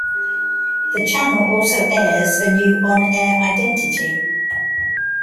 The channel also airs a new on-air identity.